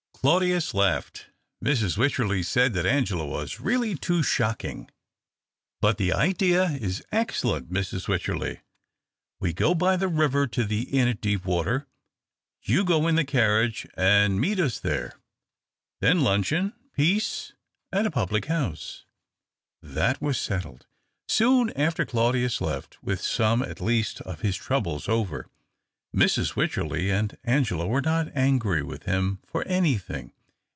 Claudius laughed. Mrs. Wycherley said that Angela was really too shocking. " But the idea is excellent, Mrs. Wycherley. We go by the river to the inn at Deepwater. You go in the carriage and meet us there. Then luncheon — peace and a public house." That was settled. Soon after Claudius left, with some, at least, of his troubles over. Mrs. AVycherley and Angela were not angry with him for anything.